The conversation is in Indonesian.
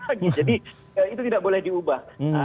jadi itu tidak boleh diubah